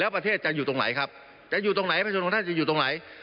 ประเทศจะอยู่ตรงไหน